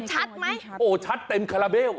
ชัดไหมโอ้ชัดเต็มคาราเบล